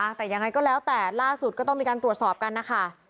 แต่ยังไงก็แล้วแต่ล่าสุดก็ต้องมีการตรวจสอบกันนะคะ